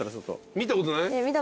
見たことない？